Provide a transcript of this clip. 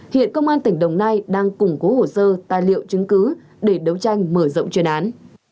hiện công an tỉnh đồng nai đang củng cố hồ sơ tài liệu chứng cứ để đấu tranh mở rộng chuyên án